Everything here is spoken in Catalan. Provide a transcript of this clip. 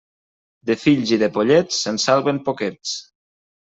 De fills i de pollets, se'n salven poquets.